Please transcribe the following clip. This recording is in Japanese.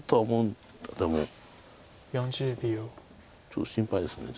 ちょっと心配です。